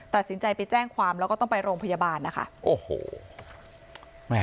ตัดสินใจไปแจ้งความแล้วก็ต้องไปโรงพยาบาลนะคะโอ้โหแม่